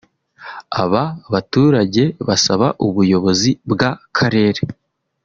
Aba baturage basaba ubuyobozi bwa karere